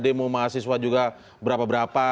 demo mahasiswa juga berapa berapa